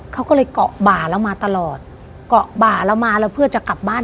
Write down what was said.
เขาก็เลยเกาะบ่าแล้วมาตลอดเกาะบ่าแล้วมาแล้วเพื่อจะกลับบ้าน